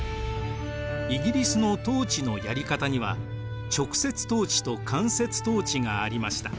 イギリスの統治のやり方には直接統治と間接統治がありました。